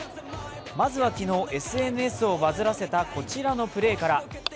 まずは昨日、ＳＮＳをバズらせたこちらのプレーから。